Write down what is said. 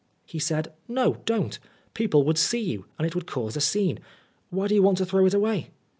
He said, " No, don't. People would see you, and it would cause a scene. Why do you want to throw it away